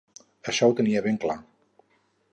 Això ho tenia ben clar.